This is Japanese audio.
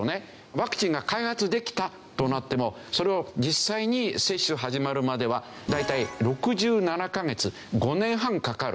ワクチンが開発できたとなってもそれを実際に接種始まるまでは大体６７カ月５年半かかる。